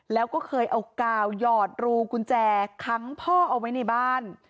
แล้วก็เคยเอากาวหยอดรูกุญแจค้างพ่อเอาไว้ในบ้าน